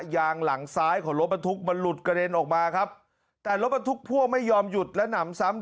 ยางหลังซ้ายของรถบรรทุกมันหลุดกระเด็นออกมาครับแต่รถบรรทุกพ่วงไม่ยอมหยุดและหนำซ้ำ